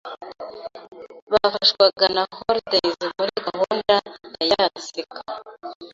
bafashwaga na Holidays muri Gahunda ya Yaseka